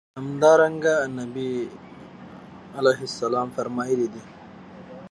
همدرانګه نبي عليه السلام فرمايلي دي